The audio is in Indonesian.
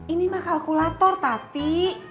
ini mak kalkulator tati